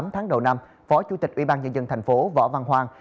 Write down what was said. tám tháng đầu năm phó chủ tịch ubnd thành phố võ văn hoàng